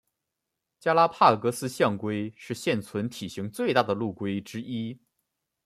加拉帕戈斯象龟是现存体型最大的陆龟之一。